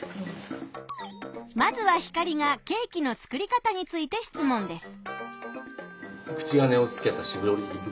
まずはヒカリがケーキの作り方について質問です。